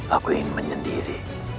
aku ingin menyendiri